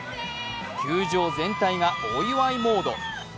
球場全体がお祝いモード。